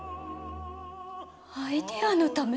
アイデアのため？